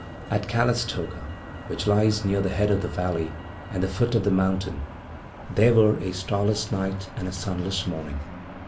At Calistoga, which lies near the head of the valley and the foot of the mountain, there were a starless night and a sunless morning.